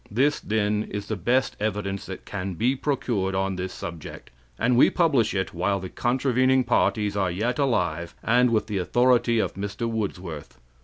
This, then, is the best evidence that can be procured on this subject, and we publish it while the contravening parties are yet alive, and with the authority of Mr. Woodsworth.